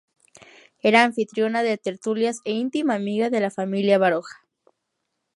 Era anfitriona de tertulias e íntima amiga de la familia Baroja.